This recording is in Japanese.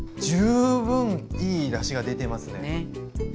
十分いいだしが出てますね。